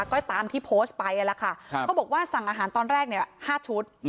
ก็ตามที่โพสต์ไปแล้วค่ะเขาบอกว่าสั่งอาหารตอนแรก๕ชุด